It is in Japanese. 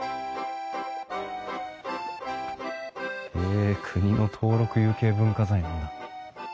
へえ国の登録有形文化財なんだ。